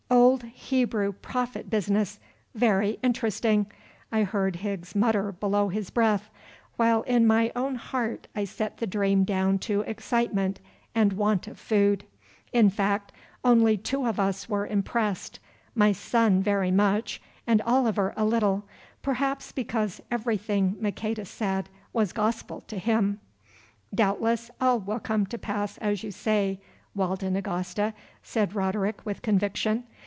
"Old Hebrew prophet business! Very interesting," I heard Higgs mutter below his breath, while in my own heart I set the dream down to excitement and want of food. In fact, only two of us were impressed, my son very much, and Oliver a little, perhaps because everything Maqueda said was gospel to him. "Doubtless all will come to pass as you say, Walda Nagasta," said Roderick with conviction.